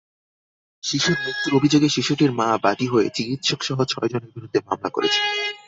শিশুর মৃত্যুর অভিযোগে শিশুটির মা বাদী হয়ে চিকিৎসকসহ ছয়জনের বিরুদ্ধে মামলা করেছেন।